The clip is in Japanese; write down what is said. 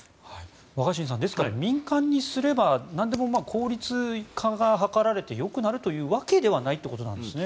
若新さんですから、民間にすればなんでも効率化が図られてよくなるというわけではないということなんですね。